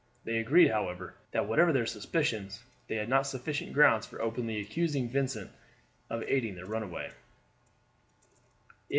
They agreed, however, that whatever their suspicions, they had not sufficient grounds for openly accusing Vincent of aiding their runaway.